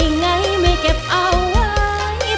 ไม่เก็บเอาไว้